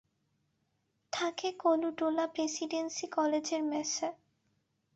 থাকে কলুটোলা প্রেসিডেন্সি কলেজের মেসে।